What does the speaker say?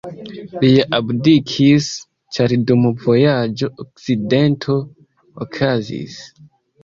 Lia abdikis, ĉar dum vojaĝo akcidento okazis.